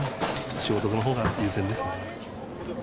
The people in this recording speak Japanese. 仕事のほうが優先ですね。